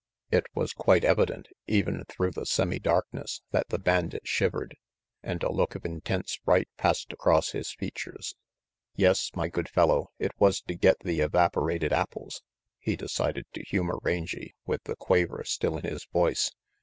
It was quite evident, even through the semi darkness, that the bandit shivered, and a look of intense fright passed across his features. "Yes, my good fellow, it was to get the evaporated apples," he decided to humor Rangy, with the quaver still in his voice.